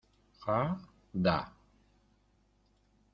ja? da.